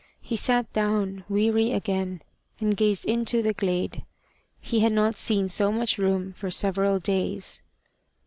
He sat down, weary again, and gazed into the glade. He had not seen so much room for several days.